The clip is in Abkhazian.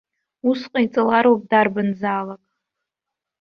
Ус ҟаиҵалароуп дарбанзаалак.